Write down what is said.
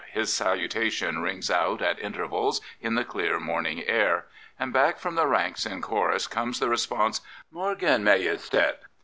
His salutation rings out at intervals in the clear morning air. And back from the ranks in choruscomes theresponse :" Morgen, Majestat."